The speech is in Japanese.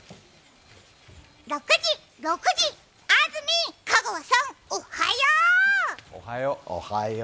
６時、６時、安住、香川さん、おはよう！